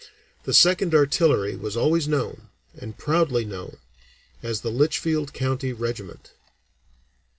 The Second Artillery was always known, and proudly known, as the Litchfield County Regiment.